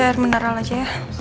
ini jadi mineral aja ya